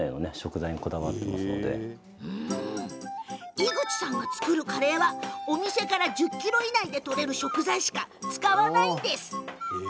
井口さんが作るカレーはお店から１０ｋｍ以内で取れる食材しか使わないんです。